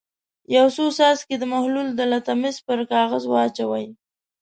یو څو څاڅکي د محلول د لتمس پر کاغذ واچوئ.